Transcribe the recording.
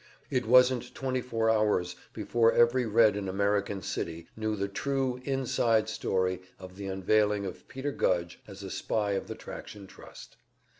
It wasn't twenty four hours before every Red in American City knew the true, inside history of the unveiling of Peter Gudge as a spy of the Traction Trust.